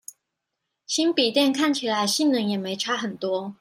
新筆電看起來性能也沒差很多